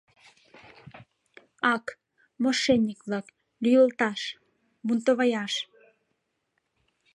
Ак, мошенник-влак, лӱйылташ, бунтоваяш!